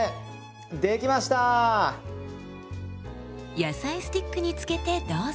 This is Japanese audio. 野菜スティックにつけてどうぞ。